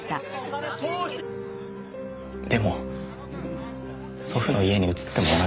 でも祖父の家に移っても同じでした。